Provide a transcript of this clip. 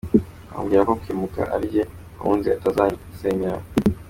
Ambwira ko kwimuka arijye ahunze atazansenyera.